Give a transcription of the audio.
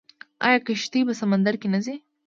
آیا کښتۍ په سمندر کې نه ځي؟